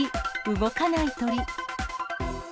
動かない鳥。